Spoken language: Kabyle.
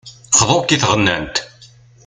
Xḍu-k i tɣennant.